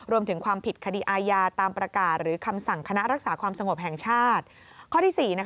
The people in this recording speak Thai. รวมถึงความผิดคดีอาญาตามประกาศหรือคำสั่งคณะรักษาความสงบแห่งชาติข้อที่๔